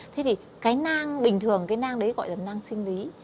thế thì cái nang bình thường cái nang đấy gọi là nang sinh lý